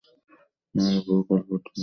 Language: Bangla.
নাহলে, প্রকল্পটি কখনই অনুমোদন পাবে না।